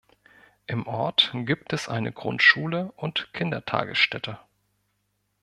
Im Ort gibt es eine Grundschule und Kindertagesstätte.